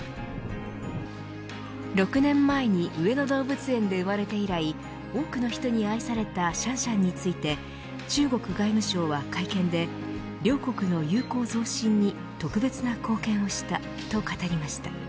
６年前に上野動物園で生まれて以来多くの人に愛されたシャンシャンについて中国外務省は会見で両国の友好増進に特別な貢献をしたと語りました。